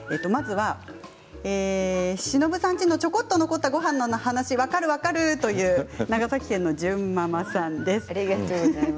しのぶさんちのちょこっと残ったごはんの話、分かる分かるというありがとうございます。